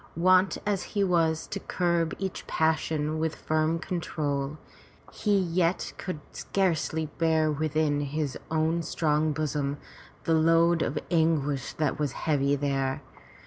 Wont as he was to curb each passion with a firm control, he yet could scarcely bear within his own strong bosom the load of anguish that was heavy there.